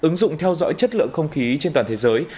ứng dụng theo dõi chất lượng không khí trên toàn thế giới